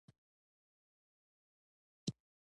څنګه څو جملې اضافه کړم.